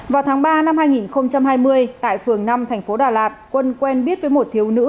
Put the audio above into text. vào tháng ba năm hai nghìn hai mươi tại phường năm thành phố đà lạt quân quen biết với một thiếu nữ